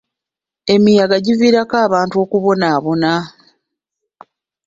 Emiyaga giviirako abantu okubonaabona.